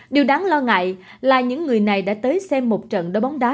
điều đáng lo ngại là những người này đã tới xem một trận đấu bóng đá